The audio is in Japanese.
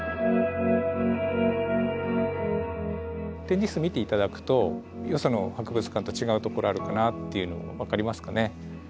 展示室見て頂くとよその博物館と違うところあるかなっていうの分かりますかね？